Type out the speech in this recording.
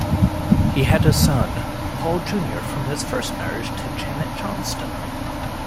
He had a son, Paul Junior from his first marriage to Janet Johnston.